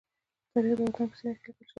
تاریخ د وطن په سینې کې لیکل شوی.